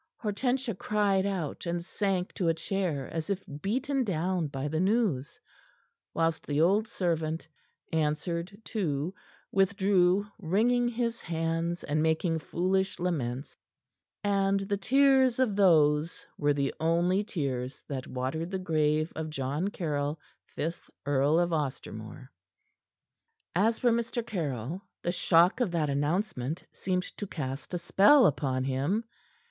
Hortensia cried out, and sank to a chair as if beaten down by the news, whilst the old servant, answered, too, withdrew, wringing his hands and making foolish laments; and the tears of those were the only tears that watered the grave of John Caryll, fifth Earl of Ostermore. As for Mr. Caryll, the shock of that announcement seemed to cast a spell upon him.